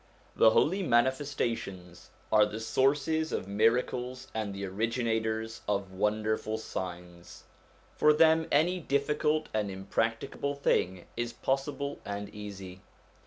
The Holy Manifestations are the sources of miracles and the originators of wonderful signs. For them, any difficult and impracticable thing is possible and easy.